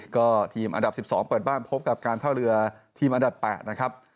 ก็ทีมอันดับ๑๒เปิดบ้านพบกับการท่าเรือทีมอันดับ๘นะครับ